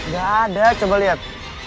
gak ada coba liat